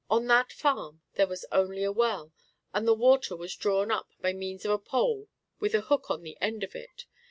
On that farm there was only a well, and the water was drawn by means of a pole with a hook on the end of it.